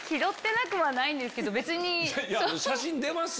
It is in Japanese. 写真出ます？